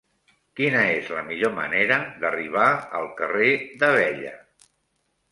Quina és la millor manera d'arribar al carrer d'Abella?